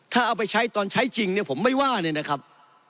ถ้าเอาไปใช้ตอนใช้จริงเนี่ยผมไม่ว่าเลยนะครับ